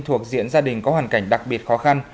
thuộc diện gia đình có hoàn cảnh đặc biệt khó khăn